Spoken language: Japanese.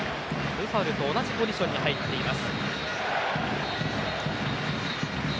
ブファルと同じポジションに入っています。